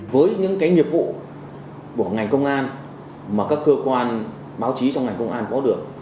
với những cái nghiệp vụ của ngành công an mà các cơ quan báo chí trong ngành công an có được